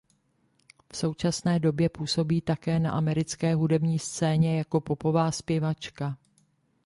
V současné době působí také na americké hudební scéně jako popová zpěvačka.